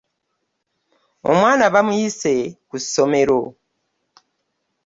Omwana bamuyise ku ssomero.